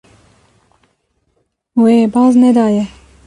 Wê baz nedaye.